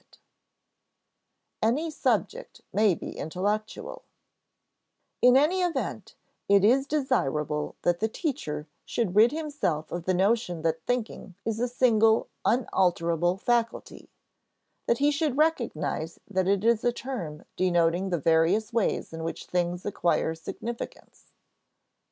[Sidenote: Any subject may be intellectual] In any event, it is desirable that the teacher should rid himself of the notion that "thinking" is a single, unalterable faculty; that he should recognize that it is a term denoting the various ways in which things acquire significance.